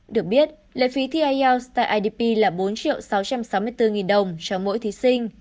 được biết lệ phí thi ielt tại idp là bốn sáu trăm sáu mươi bốn đồng cho mỗi thí sinh